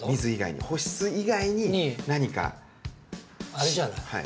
あれじゃない？